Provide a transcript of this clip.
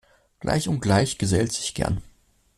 Gleich und Gleich gesellt sich gern.